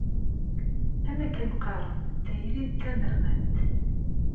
Am akken qqaren, tayri d taderɣalt.